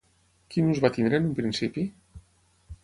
Quin ús va tenir en un principi?